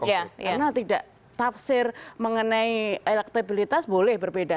karena tidak tafsir mengenai elektabilitas boleh berbeda